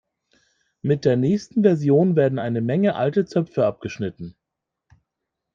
Mit der nächsten Version werden eine Menge alte Zöpfe abgeschnitten.